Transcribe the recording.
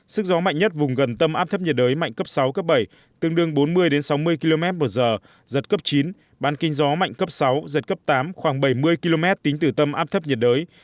sức gió mạnh nhất vùng gần tâm áp thấp nhiệt đới mạnh cấp sáu cấp bảy tương đương bốn mươi sáu mươi km một giờ giật cấp chín bán kinh gió mạnh cấp sáu giật cấp tám khoảng bảy mươi km tính từ tâm áp thấp nhiệt đới